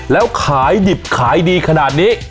แล้วขายดิบขายดีขนาดนี้